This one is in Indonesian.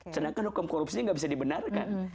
sedangkan hukum korupsinya nggak bisa dibenarkan